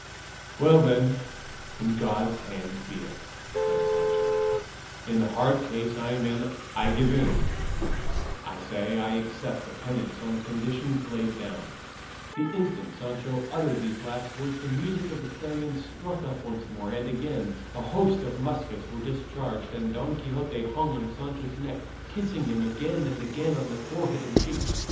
"Well then, in God's hands be it," said Sancho; "in the hard case I'm in I give in; I say I accept the penance on the conditions laid down." The instant Sancho uttered these last words the music of the clarions struck up once more, and again a host of muskets were discharged, and Don Quixote hung on Sancho's neck kissing him again and again on the forehead and cheeks.